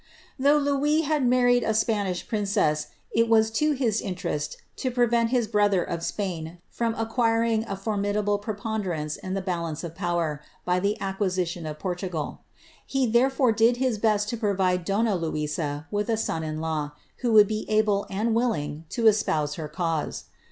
"' Thongh Louis had married m Spanish princess, it was to his interest to prevent his brother of Spaia bom acquiring a formidable preponderance in the balance of power, hj the acquisition of Portugal ; he therefore did his best to provide donna Lniia with a son in law, who would be able and willing to espoote her cause.